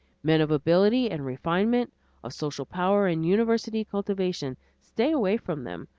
Men of ability and refinement, of social power and university cultivation, stay away from them.